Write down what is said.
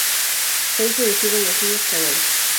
Se ha introducido en las islas Hawái.